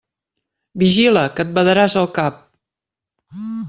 Vigila, que et badaràs el cap!